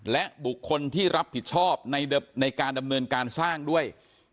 และบุคคลที่รับผิดชอบในการดำเนินการสร้างด้วย